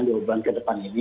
di obang ke depan ini